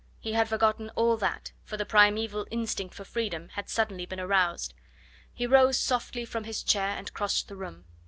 He had forgotten all that, for the primeval instinct for freedom had suddenly been aroused. He rose softly from his chair and crossed the room.